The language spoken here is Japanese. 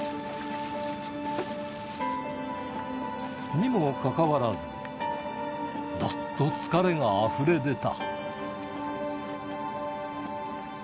にもかかわらず、どっと疲れがあふれ出た。